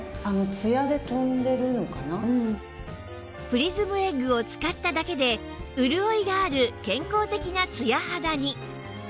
プリズムエッグを使っただけで潤いがある健康的なツヤ肌に！